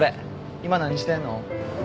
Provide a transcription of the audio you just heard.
今何してんの？